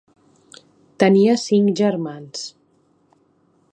Tenia cinc germans.